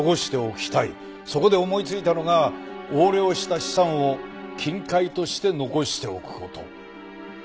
そこで思いついたのが横領した資産を金塊として残しておく事。